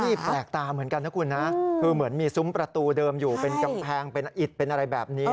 นี่แปลกตาเหมือนกันนะคุณนะคือเหมือนมีซุ้มประตูเดิมอยู่เป็นกำแพงเป็นอิดเป็นอะไรแบบนี้